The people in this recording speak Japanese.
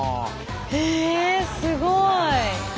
へえすごい！